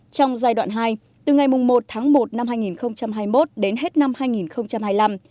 trong giai đoạn hai từ ngày một tháng một năm hai nghìn hai mươi một đến hết năm hai nghìn hai mươi năm